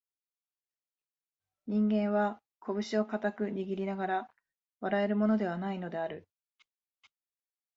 人間は、こぶしを固く握りながら笑えるものでは無いのである